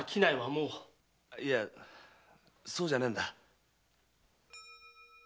いやそうじゃねえんだ。